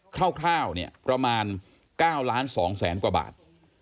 คร่าวเนี่ยประมาณ๙ล้าน๒แสนกว่าบาท